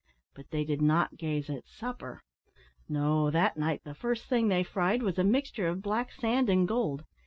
But they did not gaze at supper. No, that night the first thing they fried was a mixture of black sand and gold.